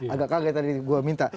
agak kaget tadi gue minta